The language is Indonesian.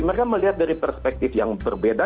mereka melihat dari perspektif yang berbeda